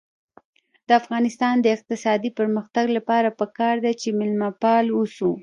د افغانستان د اقتصادي پرمختګ لپاره پکار ده چې مېلمه پال اوسو.